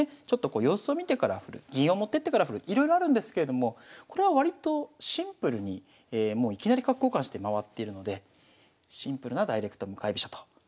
ちょっとこう様子を見てから振る銀を持ってってから振るいろいろあるんですけれどもこれは割とシンプルにもういきなり角交換して回っているのでシンプルなダイレクト向かい飛車と。